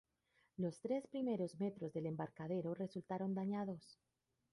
Los tres primeros metros del embarcadero resultaron dañados.